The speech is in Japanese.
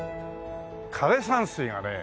枯山水がね。